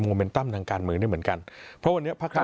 โมเมนตัมทางการมือได้เหมือนกัน